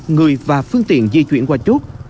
người và phương tiện di chuyển qua chốt